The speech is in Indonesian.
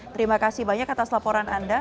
terima kasih banyak atas laporan anda